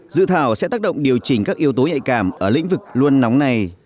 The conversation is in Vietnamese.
dự thảo sẽ tác động điều chỉnh các yếu tố nhạy cảm ở lĩnh vực luôn nóng này